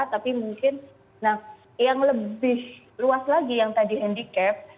tapi mungkin yang lebih luas lagi yang tadi handicap